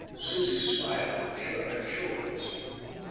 Susie smiled and shrugged her shoulders.